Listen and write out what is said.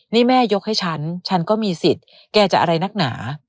นี่แม่ยกให้ฉันฉันก็มีสิทธิ์แกจะอะไรนักหนา